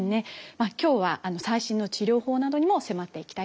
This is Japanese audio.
今日は最新の治療法などにも迫っていきたいと思います。